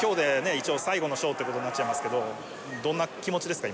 一応最後のショウってことになっちゃいますけどどんな気持ちですか？